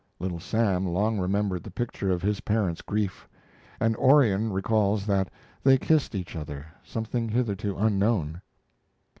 Little Sam long remembered the picture of his parents' grief; and Orion recalls that they kissed each other, something hitherto unknown.